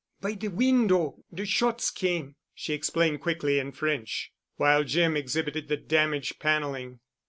"By the window—the shots came," she explained quickly in French, while Jim exhibited the damaged paneling.